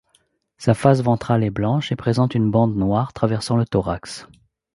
Sa face ventrale est blanche et présente une bande noire traversant le thorax.